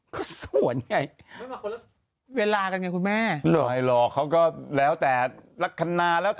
ก็ส่วนไงเวลากันไงคุณแม่ไม่หรอกเขาก็แล้วแต่ลักษณะแล้ว